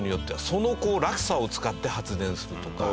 その落差を使って発電するとか。